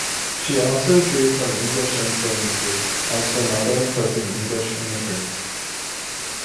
She also drew from English influences, as her mother was an English immigrant.